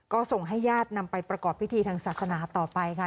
ก็ส่งให้ญาตินำไปประกอบพิธีทางศาสนาต่อไปค่ะ